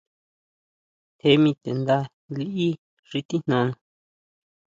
Jee mi te nda liʼí xi tijnana.